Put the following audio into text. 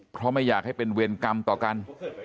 เพราะไม่อยากให้เป็นเวรกรรมต่อกัน